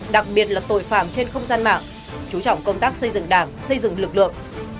đặc biệt là tội phạm trên không gian mạng chú trọng công tác xây dựng đảng xây dựng lực lượng